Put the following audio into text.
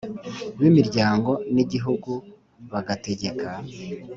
b’imiryango n’igihugu bagategeka